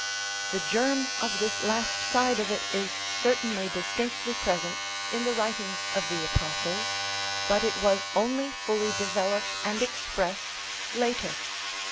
The germ of this last side of it is certainly distinctly present in the writings of the Apostles, but it was only fully developed and expressed later.